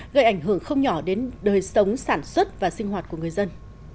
gây ảnh hưởng không nhỏ đến đời sống sản xuất và sinh hoạt của người dân